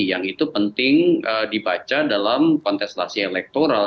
yang itu penting dibaca dalam kontestasi elektoral